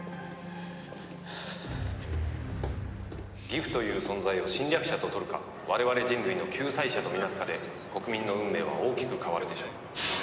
「ギフという存在を侵略者ととるか我々人類の救済者とみなすかで国民の運命は大きく変わるでしょう」